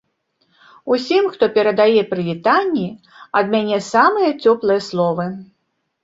Усім, хто перадае прывітанні, ад мяне самыя цёплыя словы.